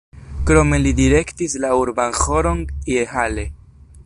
Krome li direktis la Urban Ĥoron je Halle.